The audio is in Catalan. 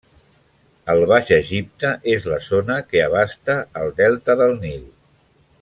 El Baix Egipte és la zona que abasta el delta del Nil.